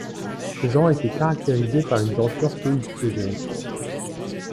Ce genre était caractérisé par une denture peu hypsodonte.